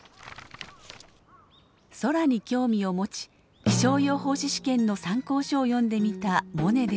空に興味を持ち気象予報士試験の参考書を読んでみたモネでしたが。